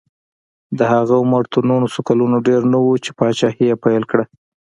د هغه عمر تر نولس کلونو ډېر نه و چې پاچاهي یې پیل کړه.